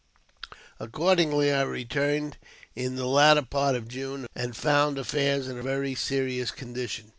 Accordingly I returned in the latter part of June, and found affairs in a very serious condition.